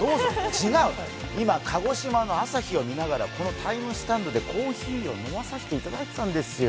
違う、今、鹿児島の朝日を見ながらＴＩＭＥスタンドでコーヒーを飲まさせていただいてたんですよ。